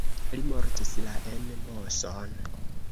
Li mortis la en Moson.